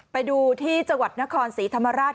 ไปดูที่จังหวัดนครศรีธรรมราช